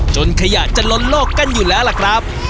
ขยะจะล้นโลกกันอยู่แล้วล่ะครับ